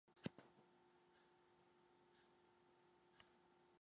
Ik fûn it heel gesellich, sille wy noch in kear wat ôfprate?